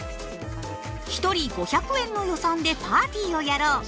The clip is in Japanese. １人５００円の予算でパーティーをやろう！